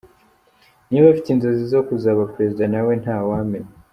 Niba afite inzozi zo kuzaba Perezida nawe ntawamenya?